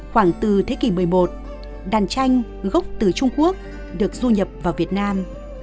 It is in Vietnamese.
khoảng từ thế kỷ một mươi một đàn tranh gốc từ trung quốc được du nhập vào việt nam